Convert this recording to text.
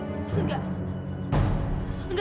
apa dia bisa pergi